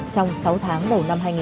trong sáu tháng đầu năm hai nghìn hai mươi